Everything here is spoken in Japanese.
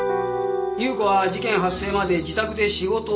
優子は事件発生まで自宅で仕事をしていたと主張している。